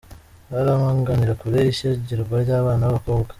Baramaganira kure ishyingirwa ry’abana b’abakobwa